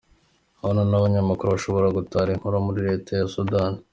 Ubu noneho Abanyamakuru bashobora gutara inkuru muri Leta ya Sudani